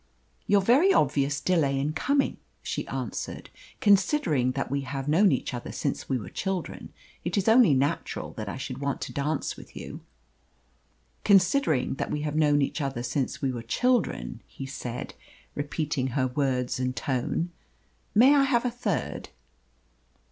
"Your very obvious delay in coming," she answered. "Considering that we have known each other since we were children, it is only natural that I should want to dance with you." "Considering that we have known each other since we were children," he said, repeating her words and tone, "may I have a third?"